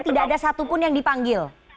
tidak ada satupun yang dipanggil